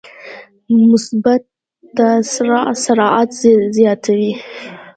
مثبت تسارع سرعت زیاتوي.